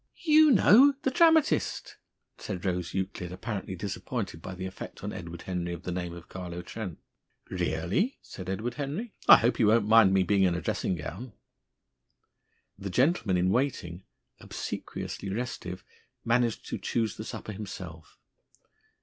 "You know the dramatist," said Rose Euclid, apparently disappointed by the effect on Edward Henry of the name of Carlo Trent. "Really!" said Edward Henry. "I hope he won't mind me being in a dressing gown." The gentleman in waiting, obsequiously restive, managed to choose the supper himself.